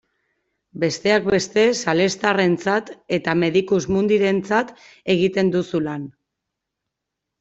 Besteak beste salestarrentzat eta Medicus Mundirentzat egiten duzu lan.